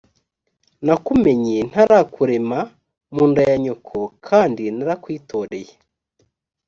nakumenye ntarakurema mu nda ya nyoko kandi narakwitoreye